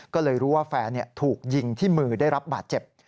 ก็เลยรู้ว่าแฟนถูกยิงที่มือได้รับบาดเจ็บ